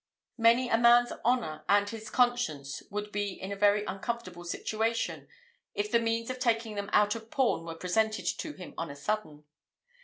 Many a man's honour and his conscience would be in a very uncomfortable situation if the means of taking them out of pawn were presented to him on a sudden.